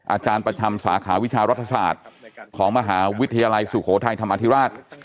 อาจารย์ประจำสาขาวิชารัฐศาสตร์ของมหาวิทยาลัยสุโขทัยธรรมอธิราช